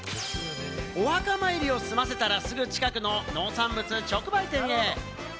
お墓参りを済ませたら、すぐ近くの農産物直売店へ。